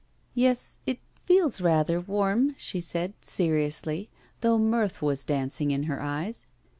'Yes, it feels rather warm,' she said, seriously, though mirth was dancing in her eyes.